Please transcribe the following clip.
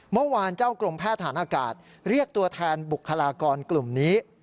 เมื่อวานเจ้ากรมแพทย์ฐานอากาศเรียกตัวแทนบุคลากรกลุ่มนี้